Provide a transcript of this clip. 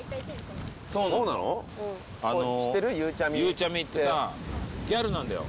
ゆうちゃみってさあギャルなんだよ